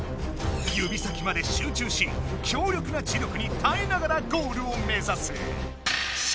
指先まで集中し強力な磁力に耐えながらゴールを目指す！